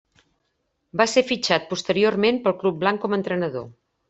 Va ser fitxat posteriorment pel club blanc com a entrenador.